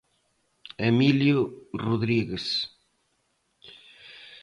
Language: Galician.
Emilio Rodríguez.